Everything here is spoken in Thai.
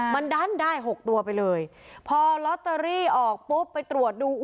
มันดันได้หกตัวไปเลยพอลอตเตอรี่ออกปุ๊บไปตรวจดู